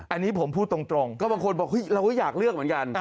อันนี้ผมพูดตรงก็บางคนบอกเราก็อยากเลือกเหมือนกัน